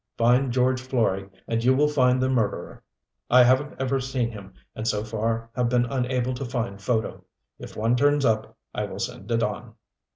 FIND GEORGE FLOREY AND YOU WILL FIND THE MURDERER. I HAVEN'T EVER SEEN HIM AND SO FAR HAVE BEEN UNABLE TO FIND PHOTO. IF ONE TURNS UP I WILL SEND IT ON.